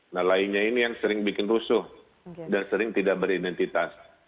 nah lainnya ini yang sering bikin rusuh dan sering tidak beridentitas